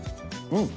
うん。